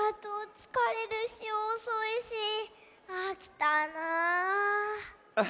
つかれるしおそいしあきたなあ。